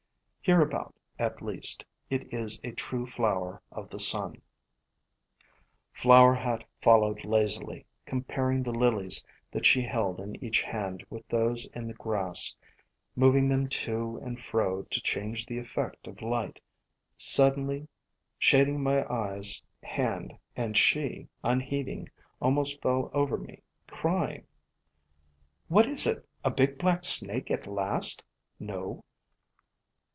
Hereabout, at least, it is a true flower of the sun. Flower Hat followed lazily, comparing the Lilies that she held in each hand with those in the grass, moving them to and fro to change the effect of light, suddenly, shading my eyes hand, and she, unheeding, almost fell over me, crying: "What is it, a big black snake at last? No?